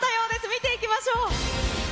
見ていきましょう。